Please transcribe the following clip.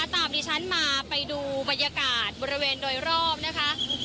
ดิฉันมาไปดูบรรยากาศบริเวณโดยรอบนะคะ